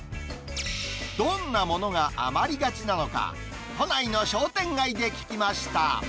どんなものが余りがちなのか、都内の商店街で聞きました。